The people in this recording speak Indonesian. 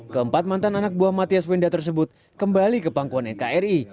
keempat mantan anak buah mathias wenda tersebut kembali ke pangkuan nkri